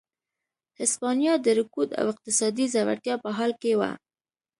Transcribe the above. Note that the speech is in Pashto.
هسپانیا د رکود او اقتصادي ځوړتیا په حال کې وه.